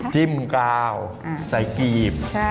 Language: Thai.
จิ้มกาวใส่กรีบ